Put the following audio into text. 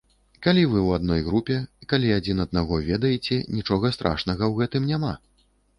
Калі вы ў адной групе, калі адзін аднаго ведаеце, нічога страшнага ў гэтым няма.